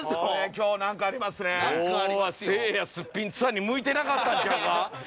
今日はせいや『すっぴんツアー』に向いてなかったんちゃうか？